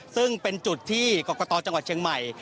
ซึ่งเป็นจุดที่กรกตจังหวัดเชียงใหม่